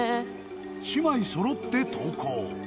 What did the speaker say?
姉妹そろって登校。